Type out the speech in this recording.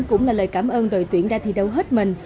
cũng là lời cảm ơn đội tuyển đã thi đấu hết mình